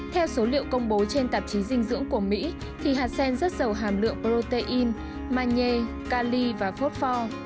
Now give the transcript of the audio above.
theo số liệu công bố trên tạp chí dinh dưỡng của mỹ thì hạt sen rất giàu hàm lượng protein manhê cali và phốt pho